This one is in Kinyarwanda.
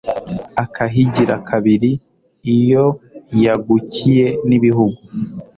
Akahigira kabiri. Iyo yagukiye n'ibihugu,